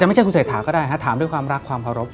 แต่ไม่ใช่คุณสายถามก็ได้ฮะถามด้วยความรักความขอบรับ